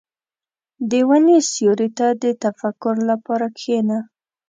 • د ونې سیوري ته د تفکر لپاره کښېنه.